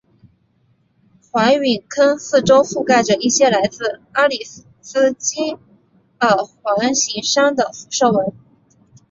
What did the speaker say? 环陨坑四周覆盖着一些来自阿里斯基尔环形山的辐射纹。